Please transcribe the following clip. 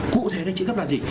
cụ thể là trĩ cấp là gì